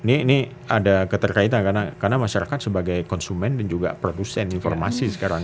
ini ada keterkaitan karena masyarakat sebagai konsumen dan juga produsen informasi sekarang